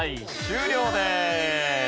終了です！